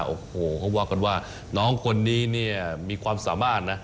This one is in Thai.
โอ้โหเขาว่ากันว่าน้องคนนี้เนี่ยมีความสามารถนะ